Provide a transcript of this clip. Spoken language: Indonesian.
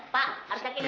pak harus yakin ya